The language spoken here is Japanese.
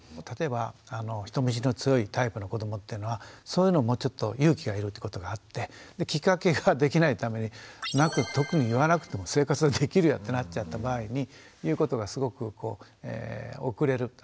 例えば人見知りの強いタイプの子どもっていうのはそういうのもちょっと勇気がいるってことがあってきっかけができないために特に言わなくても生活ができるよってなっちゃった場合に言うことがすごく遅れる。